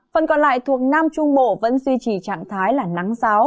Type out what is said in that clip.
phần còn lại thuộc nam trung bộ vẫn duy trì trạng thái là nắng giáo